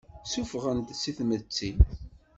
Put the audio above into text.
Ssufɣen-t si tmetti.